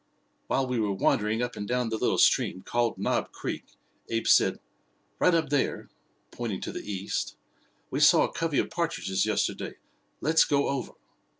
"While we were wandering up and down the little stream called Knob Creek, Abe said: 'Right up there' pointing to the east 'we saw a covey of partridges yesterday. Let's go over.'